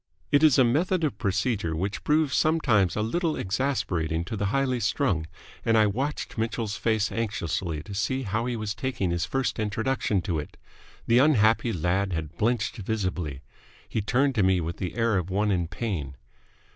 It is a method of procedure which proves sometimes a little exasperating to the highly strung, and I watched Mitchell's face anxiously to see how he was taking his first introduction to it. The unhappy lad had blenched visibly. He turned to me with the air of one in pain.